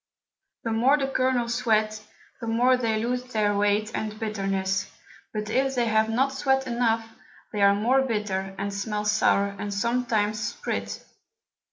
The more the Kernels sweat, the more they lose their Weight and Bitterness: but if they have not sweat enough, they are more bitter, and smell sour, and sometimes sprit.